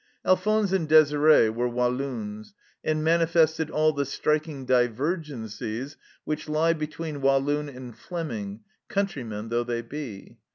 Alphonse and Desire were Walloons, and mani fested all the striking divergencies which lie between Walloon and Fleming, countrymen though they be.